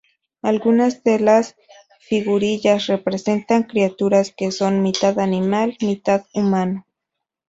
Algunas de las figurillas representan criaturas que son mitad animal, mitad humano.